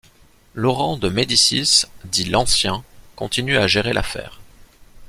Laurent de Médicis dit l'Ancien continue à gérer l'affaire.